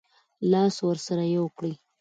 لاس ورسره یو کړي.